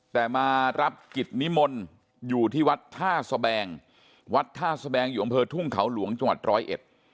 แต่มารับกิจนิมนต์อยู่ที่วัดท่าสแบงวัดท่าสแบงอยู่อำเภอทุ่งเขาหลวงจังหวัดร้อยเอ็ด